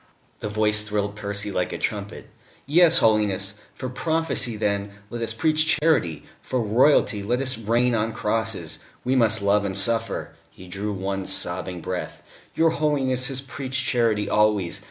The voice thrilled Percy like a trumpet. "Yes, Holiness.... For prophecy, then, let us preach charity; for Royalty, let us reign on crosses. We must love and suffer...." (He drew one sobbing breath.) "Your Holiness has preached charity always.